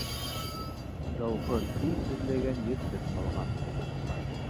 Дауһыҙ ил эҙләгән ерһеҙ ҡалған.